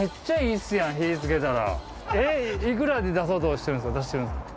いくらで出そうとしてるんですか？